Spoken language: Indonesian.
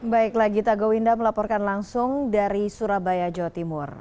baiklah gita gowinda melaporkan langsung dari surabaya jawa timur